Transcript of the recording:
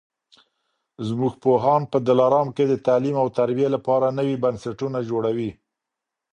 زموږ پوهان په دلارام کي د تعلیم او تربیې لپاره نوي بنسټونه جوړوي